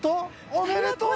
おめでとうだ！